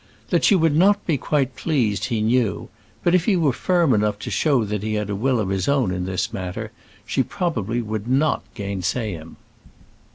That she would not be quite pleased he knew; but if he were firm enough to show that he had a will of his own in this matter, she would probably not gainsay him.